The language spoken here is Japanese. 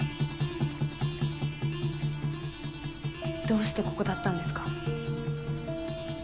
どうしてここだったんですか？